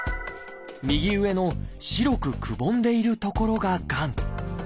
右上の白くくぼんでいる所ががん。